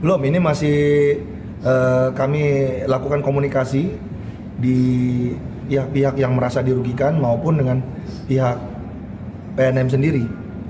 belum ini masih kami lakukan komunikasi di pihak pihak yang merasa dirugikan maupun dengan pihak pnm sendiri